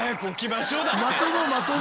まともまとも！